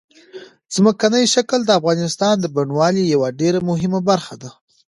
ځمکنی شکل د افغانستان د بڼوالۍ یوه ډېره مهمه برخه ده.